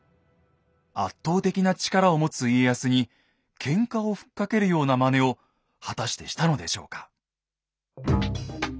圧倒的な力を持つ家康にけんかをふっかけるようなまねを果たしてしたのでしょうか。